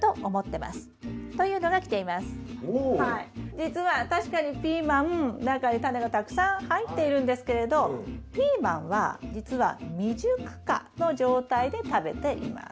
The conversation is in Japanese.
じつは確かにピーマン中にタネがたくさん入っているんですけれどピーマンはじつは未熟果の状態で食べています。